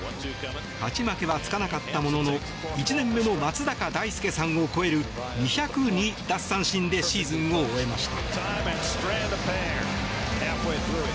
勝ち負けはつかなかったものの１年目の松坂大輔さんを超える２０２奪三振でシーズンを終えました。